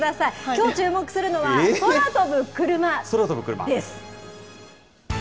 きょう注目するのは空飛ぶクルマです。